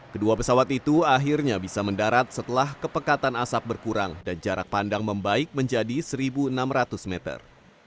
kedua pesawat itu akhirnya bisa mendarat setelah kepekatan asap berkurang dan jarak pandang membaik menjadi satu enam ratus meter